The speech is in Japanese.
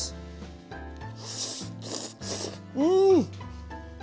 うん！